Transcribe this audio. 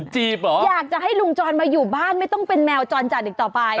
จีบเหรออยากจะให้ลุงจรมาอยู่บ้านไม่ต้องเป็นแมวจรจัดอีกต่อไป